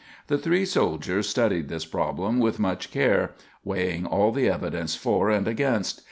The three soldiers studied this problem with much care, weighing all the evidence for and against.